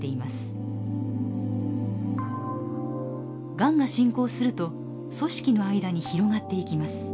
がんが進行すると組織の間に広がっていきます。